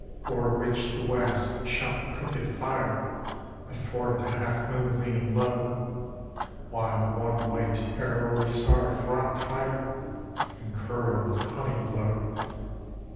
O'er which the west shot crooked fire Athwart a half moon leaning low; While one white, arrowy star throbbed higher In curdled honey glow.